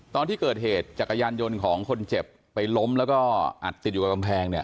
ตอนที่เกิดเหตุจักรยานยนต์ของคนเจ็บไปล้มแล้วก็อัดติดอยู่กับกำแพงเนี่ย